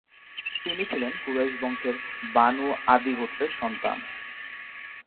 তিনি ছিলেন কুরাইশ বংশের বানু আদি গোত্রের সন্তান।